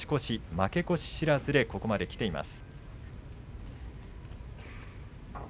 負け越し知らずでここまできています。